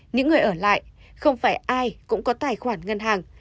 những người ở lại không phải ai cũng có tài khoản ngân hàng